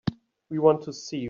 We want to see you.